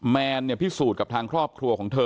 แมนเนี่ยพิสูจน์กับทางครอบครัวของเธอ